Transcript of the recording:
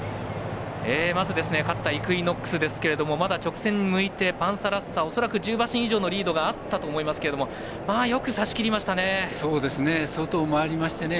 まず勝ったイクイノックスですけど直線、向いてパンサラッサ恐らく１０馬身以上のリードがあったと思いますけどよく差しきりましたね。